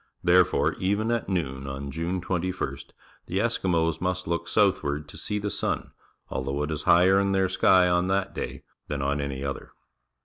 Therefore, even at noon on June 21st, the Eskimos must look southward to see the sun, although it is higher in their ^ky on that day than on any other.